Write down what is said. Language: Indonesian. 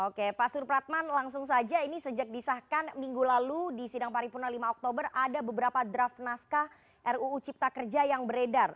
oke pak supratman langsung saja ini sejak disahkan minggu lalu di sidang paripurna lima oktober ada beberapa draft naskah ruu cipta kerja yang beredar